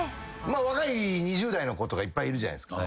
若い２０代の子とかいっぱいいるじゃないっすか。